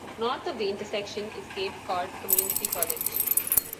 North of the intersection is Cape Cod Community College.